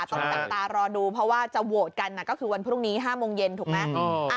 ต้องจับตารอดูเพราะว่าจะโหวตกันก็คือวันพรุ่งนี้๕โมงเย็นถูกไหม